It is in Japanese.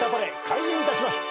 開演いたします。